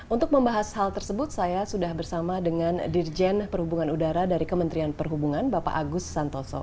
untuk membahas hal tersebut saya sudah bersama dengan dirjen perhubungan udara dari kementerian perhubungan bapak agus santoso